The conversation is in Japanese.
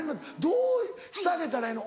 どうしてあげたらええの？